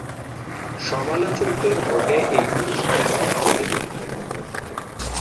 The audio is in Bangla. সমালোচকদের ভোটে এই পুরস্কারের বিজয়ী নির্ধারিত হয়ে থাকে।